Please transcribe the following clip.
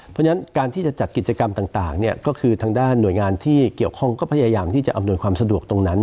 เพราะฉะนั้นการที่จะจัดกิจกรรมต่างก็คือทางด้านหน่วยงานที่เกี่ยวข้องก็พยายามที่จะอำนวยความสะดวกตรงนั้น